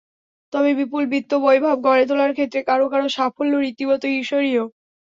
তবে বিপুল বিত্তবৈভব গড়ে তোলার ক্ষেত্রে কারও কারও সাফল্য রীতিমতো ঈর্ষণীয়।